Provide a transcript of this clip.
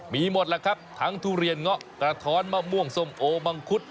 มีหมดแล้วครับทั้งทุเรียนเงาะกระท้อนมะม่วงส้มโอมังคุด